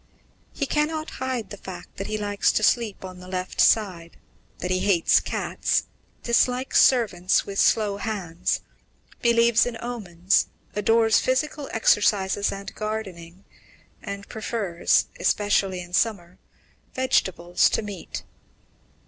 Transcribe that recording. "He cannot hide the fact that he likes to sleep on the left side, that he hates cats, dislikes servants 'with slow hands,' believes in omens, adores physical exercises and gardening, and prefers, especially in summer, vegetables to meat."